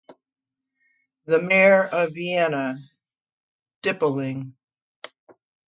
The mayor of Vienna, Dipl.-Ing.